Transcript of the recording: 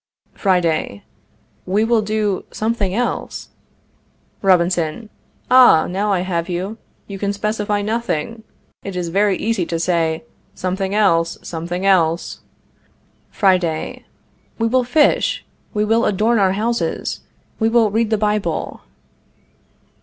Friday. We will do something else. Robinson. Ah, now I have you. You can specify nothing. It is very easy to say something else something else. Friday. We will fish. We will adorn our houses. We will read the Bible.